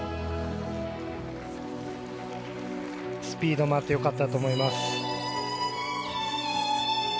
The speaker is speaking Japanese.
スピードもあってよかったと思います。